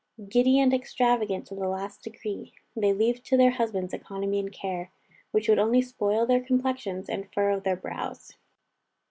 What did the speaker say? Giddy and extravagant to the last degree, they leave to their husbands economy and care, which would only spoil their complexions, and furrow their brows.